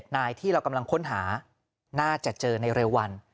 นายที่เรากำลังค้นหาน่าจะเจอในเร็ววัน